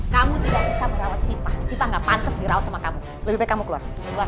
kamu tidak bisa merawat cipa cipa gak pantas dirawat sama kamu lebih baik kamu keluar